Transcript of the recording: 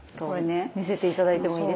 見せて頂いてもいいですか？